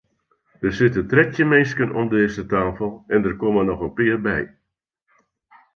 Der sitte trettjin minsken om dizze tafel en der komme noch in pear by.